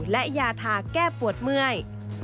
และยาทาแก้ปวดเมื่อย